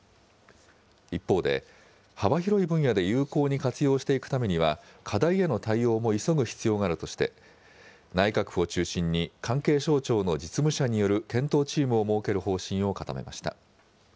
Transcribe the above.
一方で、幅広い分野で有効に活用していくためには、課題への対応も急ぐ必要があるとして、内閣府を中心に関係省庁の実務者による検討チームを設ける方針を固めました。